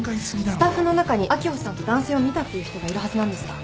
スタッフの中に秋穂さんと男性を見たっていう人がいるはずなんですが。